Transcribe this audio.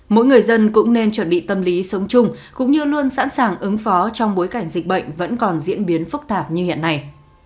mỗi người dân cũng nên chuẩn bị tâm lý sống chung cũng như luôn sẵn sàng ứng phó trong bối cảnh dịch bệnh vẫn còn diễn biến phức tạp như hiện nay